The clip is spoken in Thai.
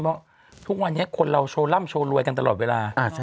เพราะทุกวันนี้คนเราโชว์ร่ำโชว์รวยกันตลอดเวลา